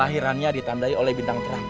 lahirannya ditandai oleh bintang terang